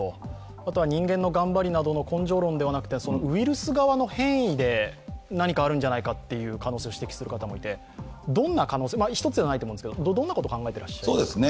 あとは人間の頑張りなどの根性論ではなくてウイルス側の変異で何かあるんじゃないかという可能性を指摘する方もいてどんなことを考えていらっしゃいますか。